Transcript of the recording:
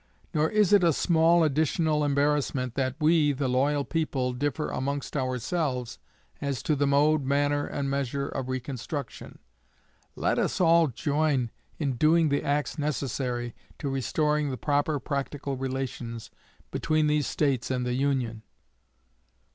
Nor is it a small additional embarrassment, that we, the loyal people, differ amongst ourselves as to the mode, manner, and measure of reconstruction. Let us all join in doing the acts necessary to restoring the proper practical relations between these States and the Union."